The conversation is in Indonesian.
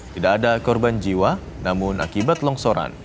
tidak ada korban jiwa namun akibat longsoran